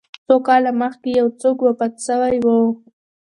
څو کاله مخکي یو څوک وفات سوی و